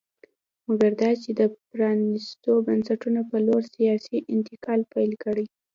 مګر دا چې د پرانېستو بنسټونو په لور سیاسي انتقال پیل کړي